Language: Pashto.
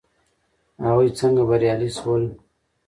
هغوی څنګه بریالي شول.